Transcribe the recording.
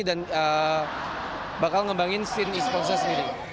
dan bakal ngembangin scene e sportsnya sendiri